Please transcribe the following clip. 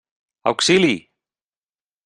Auxili!